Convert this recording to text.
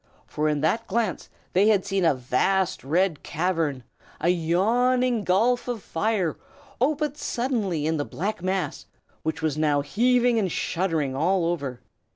For in that glance they had seen a vast red cavern, a yawning gulf of fire, open suddenly in the black mass, which was now heaving and shuddering all over.